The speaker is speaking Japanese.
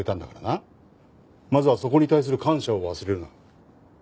まずはそこに対する感謝を忘れるな。